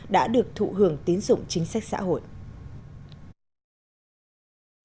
đã được thụ hưởng tín dụng chính sách xã hội